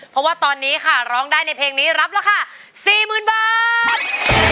เพราะว่าตอนนี้ค่ะร้องได้ในเพลงนี้รับราคา๔๐๐๐บาท